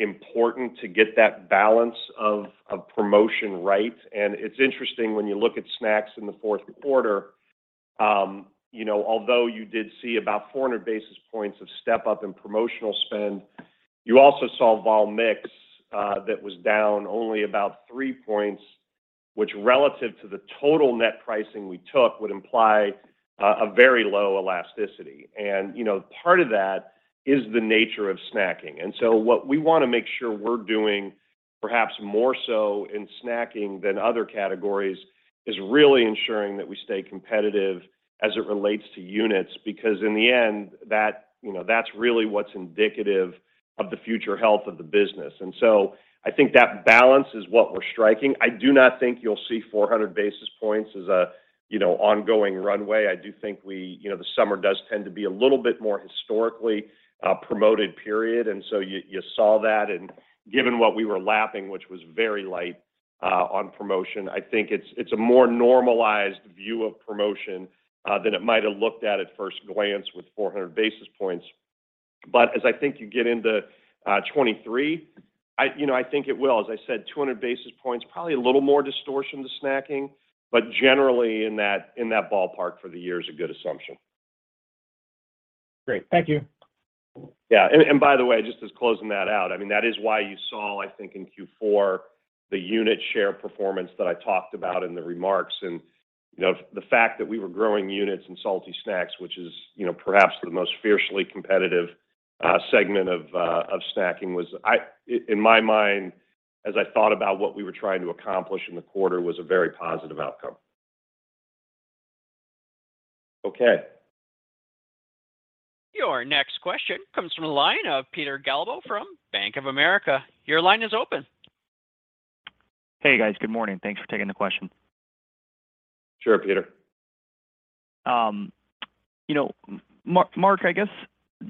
important to get that balance of promotion right. It's interesting when you look at snacks in the fourth quarter, you know, although you did see about 400 basis points of step-up in promotional spend, you also saw vol mix that was down only about 3 points, which relative to the total net pricing we took, would imply a very low elasticity. You know, part of that is the nature of snacking. What we wanna make sure we're doing, perhaps more so in snacking than other categories, is really ensuring that we stay competitive as it relates to units. Because in the end, that, you know, that's really what's indicative of the future health of the business. I think that balance is what we're striking. I do not think you'll see 400 basis points as a, you know, ongoing runway. I do think. You know, the summer does tend to be a little bit more historically promoted period, and so you saw that. Given what we were lapping, which was very light on promotion, I think it's a more normalized view of promotion than it might have looked at first glance with 400 basis points. As I think you get into 2023, you know, I think it will. As I said, 200 basis points, probably a little more distortion to snacking, but generally in that ballpark for the year is a good assumption. Great. Thank you. Yeah. By the way, just as closing that out, I mean, that is why you saw, I think in Q4, the unit share performance that I talked about in the remarks. You know, the fact that we were growing units in salty snacks, which is, you know, perhaps the most fiercely competitive segment of snacking was, in my mind, as I thought about what we were trying to accomplish in the quarter, a very positive outcome. Okay. Your next question comes from the line of Peter Galbo from Bank of America. Your line is open. Hey, guys. Good morning. Thanks for taking the question. Sure, Peter. You know, Mark, I guess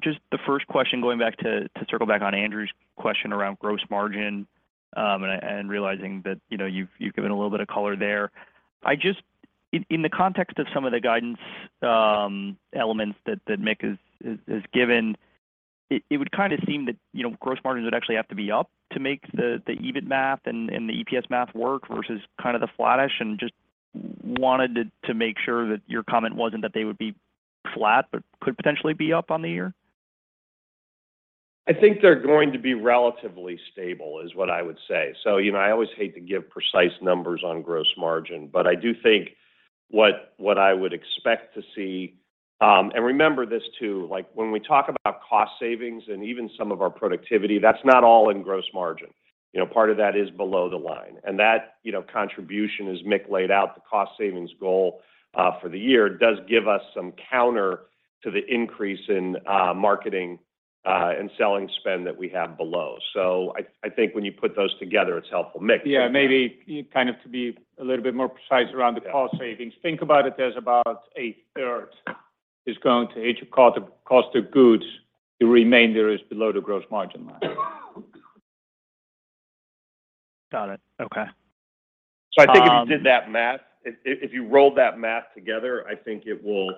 just the first question, going back to circle back on Andrew's question around gross margin, and realizing that, you know, you've given a little bit of color there. I just, in the context of some of the guidance elements that Mick has given. It would kind of seem that, you know, gross margins would actually have to be up to make the EBIT math and the EPS math work versus kind of the flattish, and just wanted to make sure that your comment wasn't that they would be flat, but could potentially be up on the year. I think they're going to be relatively stable is what I would say. You know, I always hate to give precise numbers on gross margin, but I do think what I would expect to see. Remember this too, like when we talk about cost savings and even some of our productivity, that's not all in gross margin. You know, part of that is below the line, and that, you know, contribution as Mick laid out, the cost savings goal for the year does give us some counter to the increase in marketing and selling spend that we have below. I think when you put those together, it's helpful. Mick? Yeah. Maybe kind of to be a little bit more precise around the cost savings. Think about it, there's about a third is going to cost of goods. The remainder is below the gross margin line. Got it. Okay. I think if you did that math, if you rolled that math together, I think it will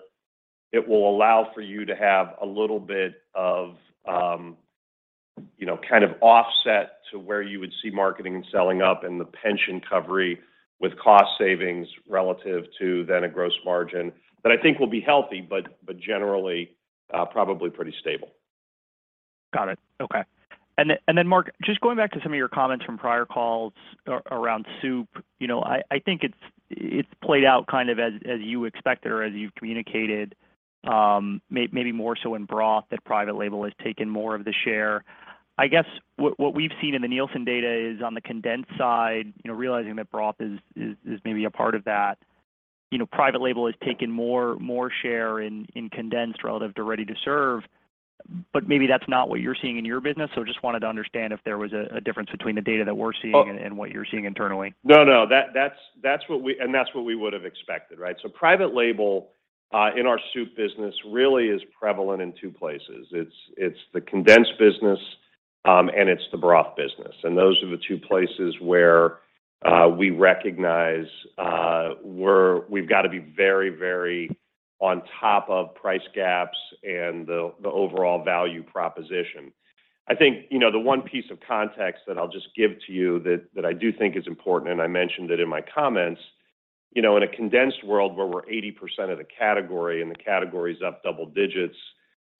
allow for you to have a little bit of, you know, kind of offset to where you would see marketing and selling up and the pension recovery with cost savings relative to then a gross margin that I think will be healthy, but generally, probably pretty stable. Got it. Okay. Mark, just going back to some of your comments from prior calls around soup. You know, I think it's played out kind of as you expected or as you've communicated, maybe more so in broth that private label has taken more of the share. I guess what we've seen in the Nielsen data is on the condensed side, you know, realizing that broth is maybe a part of that. You know, private label has taken more share in condensed relative to ready-to-serve, but maybe that's not what you're seeing in your business. Just wanted to understand if there was a difference between the data that we're seeing and what you're seeing internally. No. That's what we would've expected, right? Private label in our soup business really is prevalent in two places. It's the condensed business, and it's the broth business, and those are the two places where we recognize we've got to be very on top of price gaps and the overall value proposition. I think you know the one piece of context that I'll just give to you that I do think is important, and I mentioned it in my comments you know in a condensed world where we're 80% of the category and the category's up double digits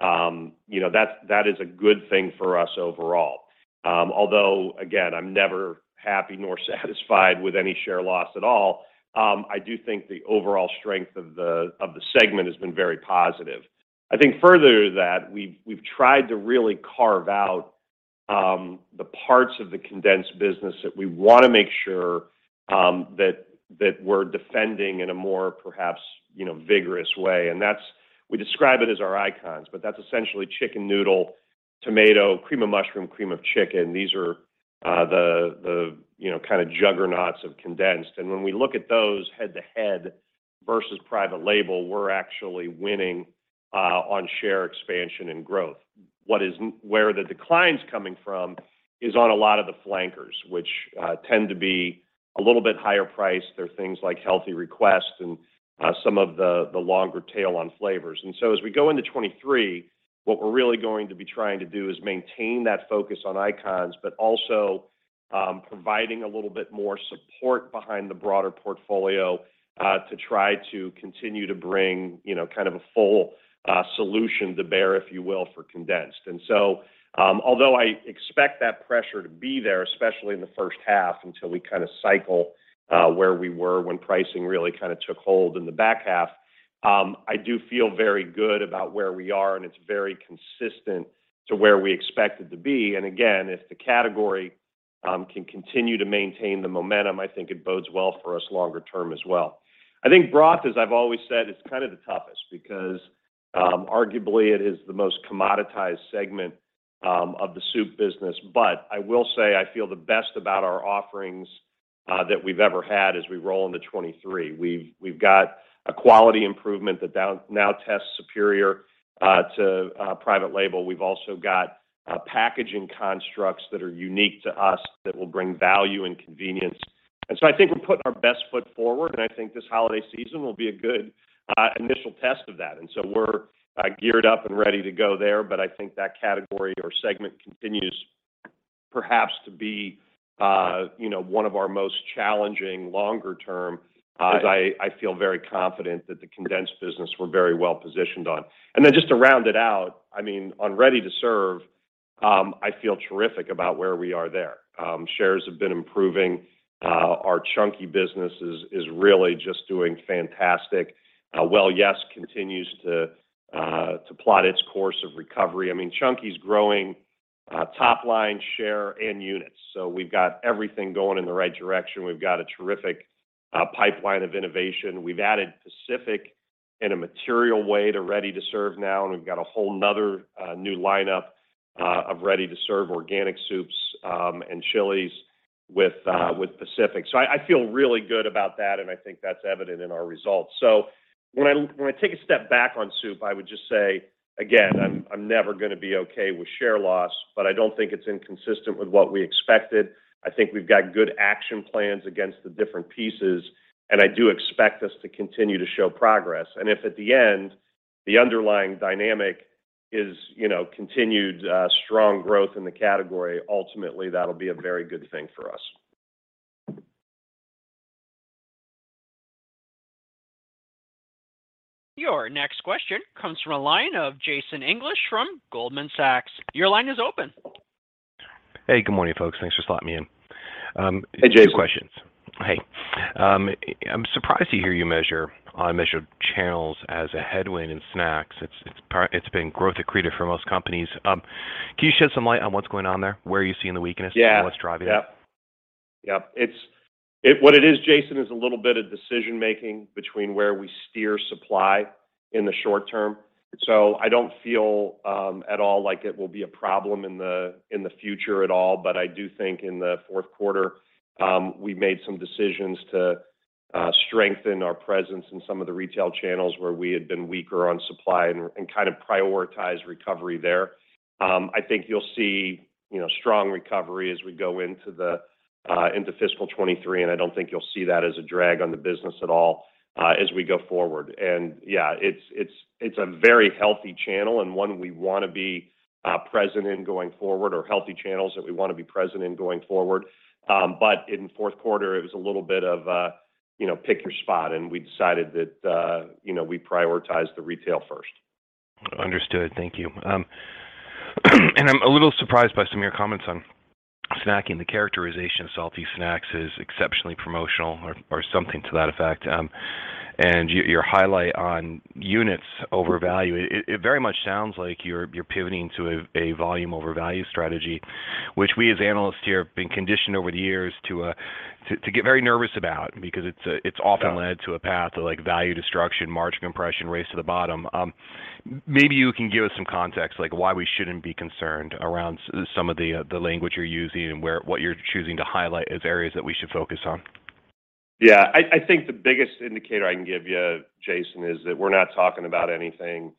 you know that is a good thing for us overall. Although again, I'm never happy nor satisfied with any share loss at all, I do think the overall strength of the segment has been very positive. I think further to that, we've tried to really carve out the parts of the condensed business that we wanna make sure that we're defending in a more perhaps you know vigorous way. We describe it as our icons, but that's essentially chicken noodle, tomato, cream of mushroom, cream of chicken. These are the you know kind of juggernauts of condensed. When we look at those head-to-head versus private label, we're actually winning on share expansion and growth. Where the decline's coming from is on a lot of the flankers, which tend to be a little bit higher priced. They're things like Healthy Request and some of the longer tail on flavors. As we go into 2023, what we're really going to be trying to do is maintain that focus on icons, but also providing a little bit more support behind the broader portfolio to try to continue to bring, you know, kind of a full solution to bear, if you will, for condensed. Although I expect that pressure to be there, especially in the first half until we kind of cycle where we were when pricing really kind of took hold in the back half, I do feel very good about where we are, and it's very consistent to where we expect it to be. Again, if the category can continue to maintain the momentum, I think it bodes well for us longer term as well. I think broth, as I've always said, is kind of the toughest because arguably it is the most commoditized segment of the soup business. I will say I feel the best about our offerings that we've ever had as we roll into 2023. We've got a quality improvement that now tests superior to private label. We've also got packaging constructs that are unique to us that will bring value and convenience. I think we're putting our best foot forward, and I think this holiday season will be a good initial test of that. We're geared up and ready to go there, but I think that category or segment continues perhaps to be, you know, one of our most challenging longer term, as I feel very confident that the condensed business we're very well positioned on. Then just to round it out, I mean, on ready-to-serve, I feel terrific about where we are there. Shares have been improving. Our Chunky business is really just doing fantastic. Well Yes! continues to plot its course of recovery. I mean, Chunky's growing top line share and units, so we've got everything going in the right direction. We've got a terrific pipeline of innovation. We've added Pacific in a material way to ready-to-serve now, and we've got a whole nother new lineup of ready-to-serve organic soups and chilies with Pacific. I feel really good about that, and I think that's evident in our results. When I take a step back on soup, I would just say, again, I'm never gonna be okay with share loss, but I don't think it's inconsistent with what we expected. I think we've got good action plans against the different pieces, and I do expect us to continue to show progress. If at the end, the underlying dynamic is, you know, continued strong growth in the category, ultimately that'll be a very good thing for us. Your next question comes from a line of Jason English from Goldman Sachs. Your line is open. Hey, good morning, folks. Thanks for slotting me in. Hey, Jason. Few questions. Hey. I'm surprised to hear you measure unmeasured channels as a headwind in snacks. It's been growth accretive for most companies. Can you shed some light on what's going on there? Where are you seeing the weakness? Yeah. What's driving it? Yep. What it is, Jason, is a little bit of decision-making between where we steer supply in the short term. I don't feel at all like it will be a problem in the future at all. I do think in the fourth quarter we made some decisions to strengthen our presence in some of the retail channels where we had been weaker on supply and kind of prioritize recovery there. I think you'll see, you know, strong recovery as we go into fiscal 2023, and I don't think you'll see that as a drag on the business at all as we go forward. Yeah, it's a very healthy channel and one we wanna be present in going forward or healthy channels that we wanna be present in going forward. In fourth quarter, it was a little bit of, you know, pick your spot, and we decided that, you know, we prioritize the retail first. Understood. Thank you. I'm a little surprised by some of your comments on snacking. The characterization of salty snacks is exceptionally promotional or something to that effect. Your highlight on units over value. It very much sounds like you're pivoting to a volume over value strategy, which we, as analysts here, have been conditioned over the years to get very nervous about because it's often led- Yeah to a path to, like, value destruction, margin compression, race to the bottom. Maybe you can give us some context, like why we shouldn't be concerned around some of the language you're using and what you're choosing to highlight as areas that we should focus on. Yeah. I think the biggest indicator I can give you, Jason, is that we're not talking about anything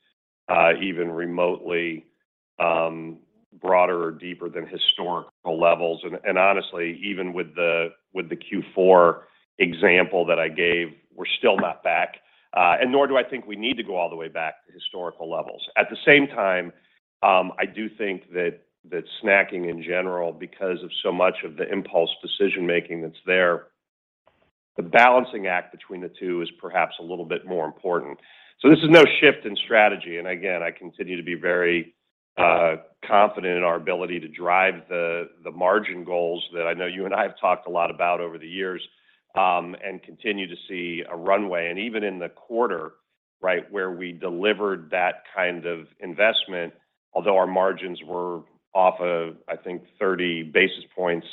even remotely broader or deeper than historical levels. Honestly, even with the Q4 example that I gave, we're still not back and nor do I think we need to go all the way back to historical levels. At the same time, I do think that snacking in general, because of so much of the impulse decision-making that's there, the balancing act between the two is perhaps a little bit more important. This is no shift in strategy. I continue to be very confident in our ability to drive the margin goals that I know you and I have talked a lot about over the years and continue to see a runway. Even in the quarter, right, where we delivered that kind of investment, although our margins were off of, I think, 30 basis points,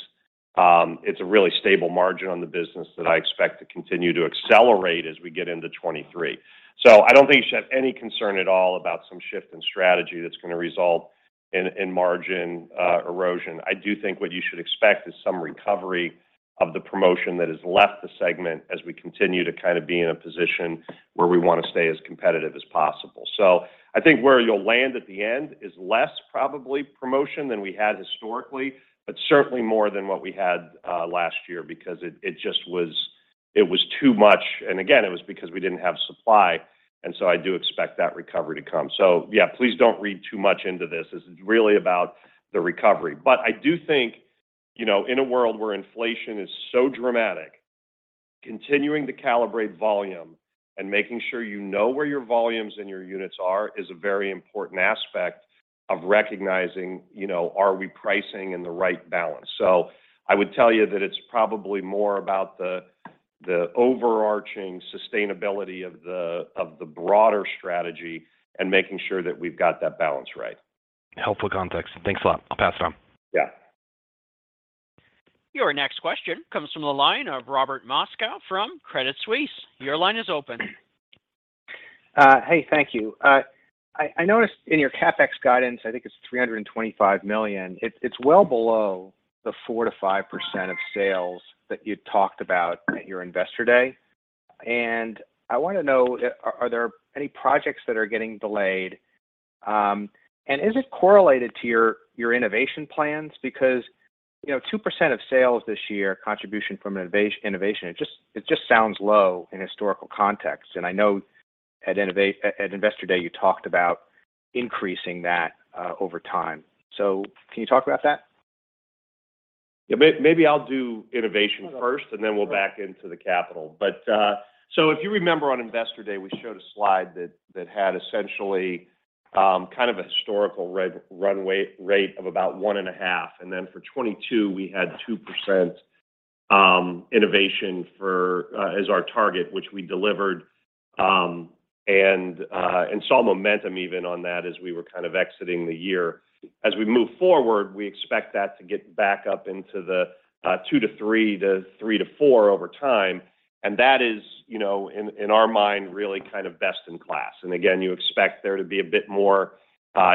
it's a really stable margin on the business that I expect to continue to accelerate as we get into 2023. I don't think you should have any concern at all about some shift in strategy that's gonna result in margin erosion. I do think what you should expect is some recovery of the promotion that has left the segment as we continue to kind of be in a position where we wanna stay as competitive as possible. I think where you'll land at the end is less probably promotion than we had historically, but certainly more than what we had last year because it just was too much. Again, it was because we didn't have supply, and so I do expect that recovery to come. Yeah, please don't read too much into this. This is really about the recovery. I do think, you know, in a world where inflation is so dramatic, continuing to calibrate volume and making sure you know where your volumes and your units are is a very important aspect of recognizing, you know, are we pricing in the right balance. I would tell you that it's probably more about the overarching sustainability of the, of the broader strategy and making sure that we've got that balance right. Helpful context. Thanks a lot. I'll pass it on. Yeah. Your next question comes from the line of Robert Moskow from Credit Suisse. Your line is open. Hey, thank you. I noticed in your CapEx guidance, I think it's $325 million, it's well below the 4%-5% of sales that you'd talked about at your Investor Day. I wanna know, are there any projects that are getting delayed? Is it correlated to your innovation plans? Because, you know, 2% of sales this year, contribution from innovation, it just sounds low in historical context. I know at Investor Day, you talked about increasing that over time. Can you talk about that? Yeah. Maybe I'll do innovation first, and then we'll back into the capital. If you remember on Investor Day, we showed a slide that had essentially kind of a historical runway rate of about 1.5. Then for 2022, we had 2% innovation as our target, which we delivered, and saw momentum even on that as we were kind of exiting the year. As we move forward, we expect that to get back up into the 2% to 3% to 4% over time, and that is, you know, in our mind, really kind of best in class. You expect there to be a bit more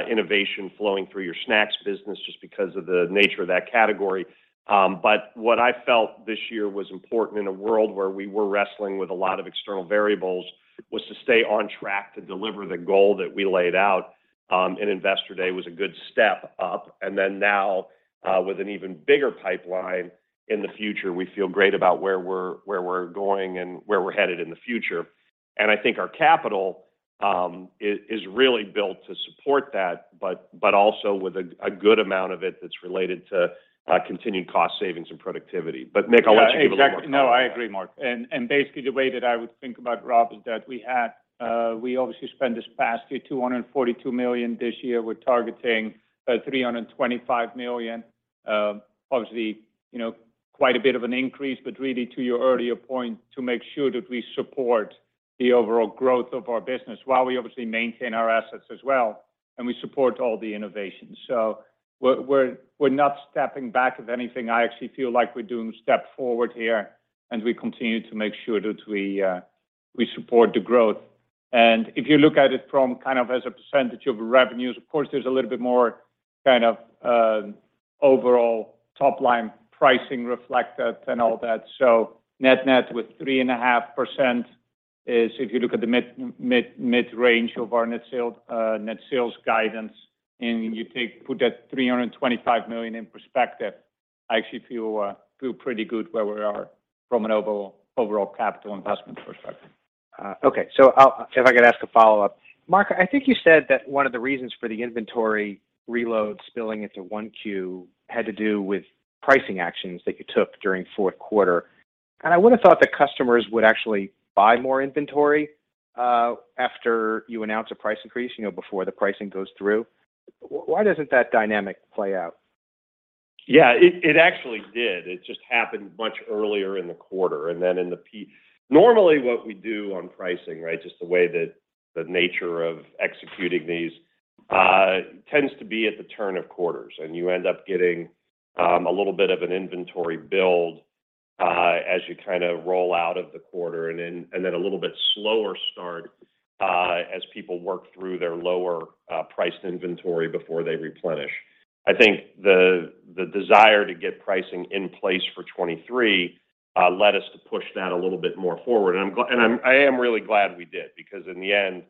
innovation flowing through your snacks business just because of the nature of that category. What I felt this year was important in a world where we were wrestling with a lot of external variables was to stay on track to deliver the goal that we laid out, and Investor Day was a good step up. Now, with an even bigger pipeline in the future, we feel great about where we're going, and where we're headed in the future. I think our capital is really built to support that, but also with a good amount of it that's related to continued cost savings and productivity. Mick, I'll let you give a little more color on that. Yeah, exactly. No, I agree, Mark. Basically the way that I would think about, Rob, is that we obviously spent this past year $242 million. This year we're targeting $325 million. Obviously, you know, quite a bit of an increase, but really to your earlier point, to make sure that we support the overall growth of our business while we obviously maintain our assets as well and we support all the innovations. We're not stepping back from anything. I actually feel like we're doing a step forward here, and we continue to make sure that we support the growth. If you look at it from kind of as a percentage of revenues, of course, there's a little bit more kind of overall top-line pricing reflected and all that. Net-net with 3.5% is if you look at the mid-range of our net sales guidance, and you take and put that $325 million in perspective, I actually feel pretty good where we are from an overall capital investment perspective. If I could ask a follow-up. Mark, I think you said that one of the reasons for the inventory reload spilling into one Q had to do with pricing actions that you took during fourth quarter. I would have thought that customers would actually buy more inventory, after you announce a price increase, you know, before the pricing goes through. Why doesn't that dynamic play out? Yeah, it actually did. It just happened much earlier in the quarter, and then normally what we do on pricing, right, just the way that the nature of executing these tends to be at the turn of quarters, and you end up getting a little bit of an inventory build as you kinda roll out of the quarter and then a little bit slower start as people work through their lower priced inventory before they replenish. I think the desire to get pricing in place for 2023 led us to push that a little bit more forward. I am really glad we did because in the end,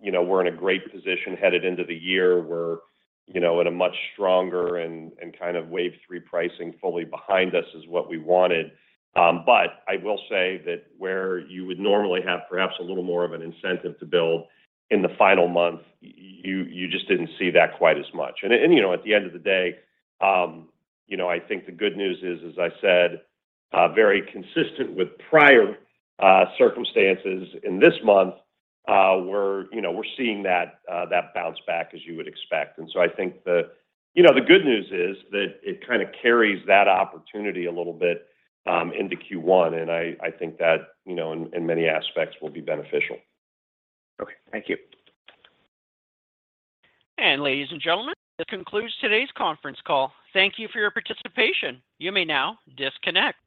you know, we're in a great position headed into the year. We're in a much stronger and kind of wave three pricing fully behind us is what we wanted. I will say that where you would normally have perhaps a little more of an incentive to build in the final month, you just didn't see that quite as much. At the end of the day, I think the good news is, as I said, very consistent with prior circumstances in this month, we're seeing that bounce back as you would expect. I think the good news is that it kinda carries that opportunity a little bit into Q1, and I think that in many aspects will be beneficial. Okay. Thank you. Ladies and gentlemen, this concludes today's conference call. Thank you for your participation. You may now disconnect.